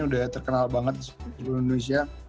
udah terkenal banget di seluruh indonesia